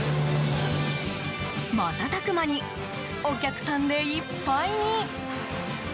瞬く間にお客さんでいっぱいに。